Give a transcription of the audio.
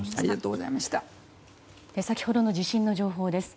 先ほどの地震の情報です。